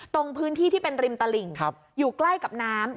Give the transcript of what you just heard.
ตรงพื้นที่ที่เป็นริมตลิ่งอยู่ใกล้กับน้ำ